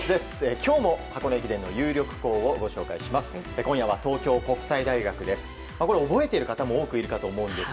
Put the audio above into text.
今日も箱根駅伝有力校をご紹介します。